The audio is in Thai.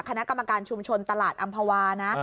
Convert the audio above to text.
คณะกรรมการชุมชนตลาดอำภาวานะ